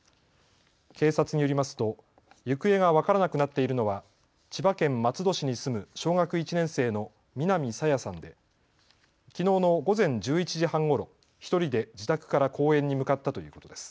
警察によりますと行方が分からなくなっているのは千葉県松戸市に住む小学１年生の南朝芽さんで、きのうの午前１１時半ごろ、１人で自宅から公園に向かったということです。